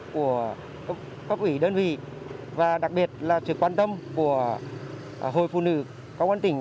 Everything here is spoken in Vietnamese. của cấp ủy đơn vị và đặc biệt là sự quan tâm của hội phụ nữ công an tỉnh